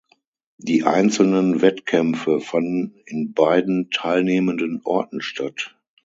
Die einzelnen Wettkämpfe fanden in beiden teilnehmenden Orten statt.